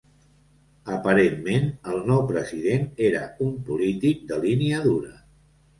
Aparentment, el nou president era un polític de línia dura.